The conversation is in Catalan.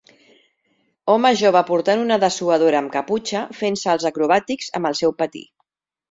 Home jove portant una dessuadora amb caputxa fent salts acrobàtics amb el seu patí.